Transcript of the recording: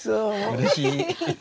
うれしい。